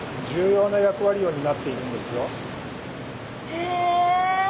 へえ。